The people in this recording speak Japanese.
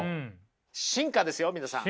進化ですよ皆さん。